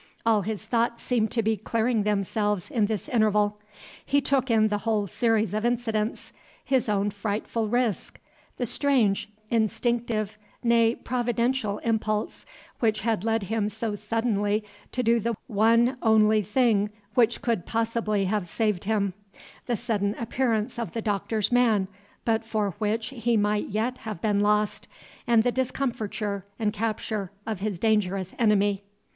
All his thoughts seemed to be clearing themselves in this interval. He took in the whole series of incidents: his own frightful risk; the strange, instinctive, nay, Providential impulse, which had led him so suddenly to do the one only thing which could possibly have saved him; the sudden appearance of the Doctor's man, but for which he might yet have been lost; and the discomfiture and capture of his dangerous enemy.